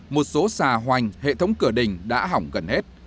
một số xà hoành hệ thống cửa đình đã hỏng gần hết